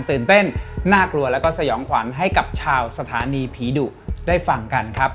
ตื่นเต้นน่ากลัวแล้วก็สยองขวัญให้กับชาวสถานีผีดุได้ฟังกันครับ